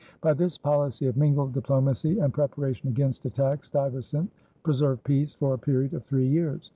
By this policy of mingled diplomacy and preparation against attack Stuyvesant preserved peace for a period of three years.